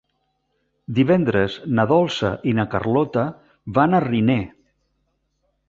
Divendres na Dolça i na Carlota van a Riner.